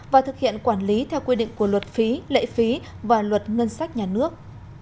và thực hiện quản lý theo quy định của luật phí lệ phí và luật ngân sách nhà nước